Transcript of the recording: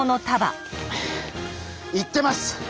いってます！